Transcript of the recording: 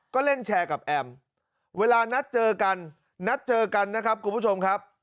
ก็เล่นแชร์กับแอมเวลานัดเจอกันนัดเจอกันนะครับคุณผู้ชมครับ